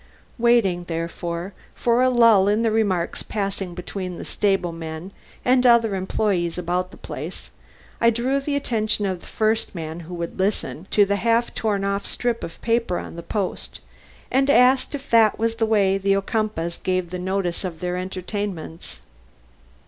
Waiting, therefore, for a lull in the remarks passing between the stable men and other employees about the place, I drew the attention of the first man who would listen, to the half torn off strip of paper on the post, and asked if that was the way the Ocumpaughs gave notice of their entertainments.